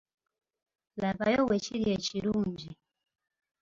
Labayo bwe kiri ekirungi.